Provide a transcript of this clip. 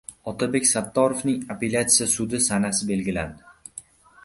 Otabek Sattoriyning apellyasiya sudi sanasi belgilandi